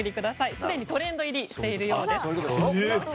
すでにトレンド入りしているようです。